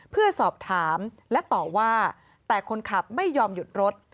เพื่อสอบถามและต่อว่าแต่คนขับไม่ยอมหยุดรถ